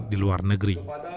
di luar negeri